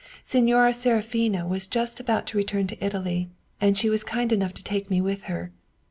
Signora Seraphina was just about to return to Italy, and she was kind enough to take me with her.